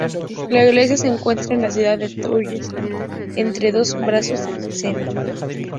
La iglesia se encuentra en la ciudad de Troyes, entre dos brazos del Sena.